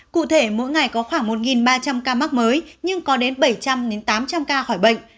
cụ thể mỗi ngày có khoảng một ba trăm linh ca mắc mới nhưng có đến bảy trăm linh tám trăm linh ca khỏi bệnh